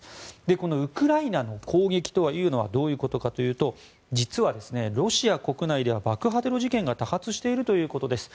このウクライナの攻撃というのはどういうことかというと実は、ロシア国内では爆破テロ事件が多発しているということです。